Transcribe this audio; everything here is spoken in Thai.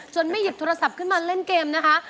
ไม่หยิบโทรศัพท์ขึ้นมาเล่นเกมนะคะ